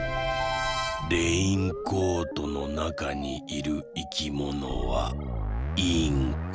レインコートのなかにいるいきものは「インコ」。